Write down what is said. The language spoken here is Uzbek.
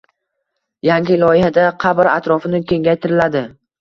Yangi loyihada qabr atrofini kengaytiriladi.